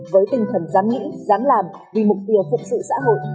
với tinh thần dám nghĩ dám làm vì mục tiêu phục sự xã hội